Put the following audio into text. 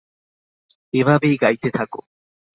এভাবেই গাইতে থাকো।